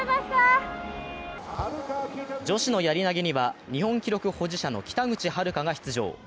女子のやり投げには日本記録保持者の北口榛花が出場。